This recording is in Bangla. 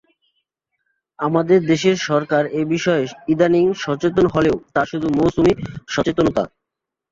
আমাদের দেশের সরকার এ বিষয়ে ইদানীং সচেতন হলেও তা শুধু মৌসুমি সচেতনতা।